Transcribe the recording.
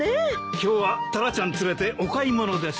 今日はタラちゃん連れてお買い物ですかい。